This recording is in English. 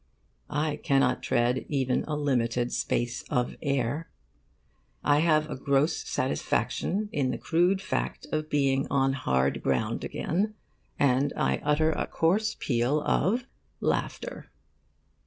I cannot tread even a limited space of air. I have a gross satisfaction in the crude fact of being on hard ground again, and I utter a coarse peal of Laughter.